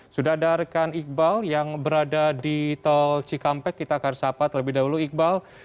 sudah ada rekan iqbal yang berada di tol cikampek kita akan sapa terlebih dahulu iqbal